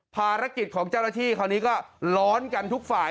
ภารกิจของเจ้าหน้าที่คราวนี้ก็ร้อนกันทุกฝ่าย